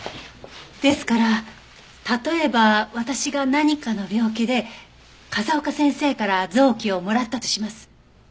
ですから例えば私が何かの病気で風丘先生から臓器をもらったとします。